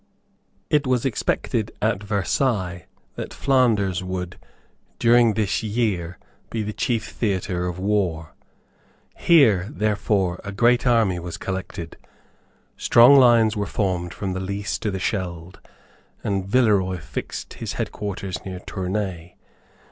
It was expected at Versailles that Flanders would, during this year, be the chief theatre of war. Here, therefore, a great army was collected. Strong lines were formed from the Lys to the Scheld, and Villeroy fixed his headquarters near Tournay.